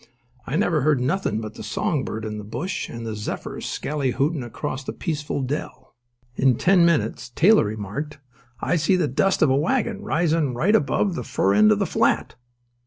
"I never heard nothin' but the song bird in the bush and the zephyr skallyhootin' across the peaceful dell." In ten minutes Taylor remarked: "I see the dust of a wagon risin' right above the fur end of the flat."